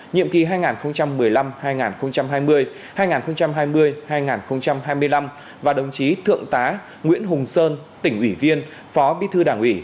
nhiệm kỳ hai nghìn một mươi năm hai nghìn hai mươi hai nghìn hai mươi hai nghìn hai mươi năm và đồng chí thượng tá nguyễn hùng sơn tỉnh ủy viên phó bí thư đảng ủy